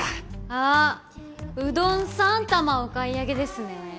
あうどん３玉お買い上げですね。